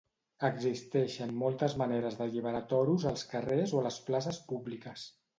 Existeixen moltes maneres d'alliberar toros als carrers o a les places públiques.